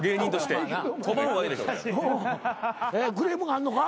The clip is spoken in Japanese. クレームがあんのか？